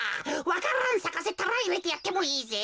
わか蘭さかせたらいれてやってもいいぜ。